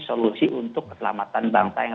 solusi untuk keselamatan bangsa yang